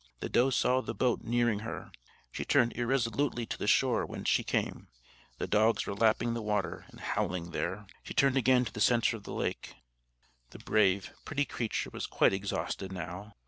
The doe saw the boat nearing her. She turned irresolutely to the shore whence she came: the dogs were lapping the water, and howling there. She turned again to the centre of the lake. The brave, pretty creature was quite exhausted now.